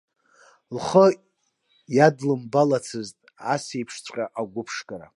Лхы иадлымбалацызт асеиԥшҵәҟьа агәыԥшқара.